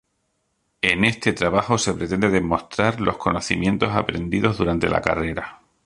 En este trabajo se pretende demostrar los conocimientos aprendidos durante la carrera.